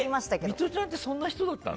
ミトちゃんってそんな人だったの？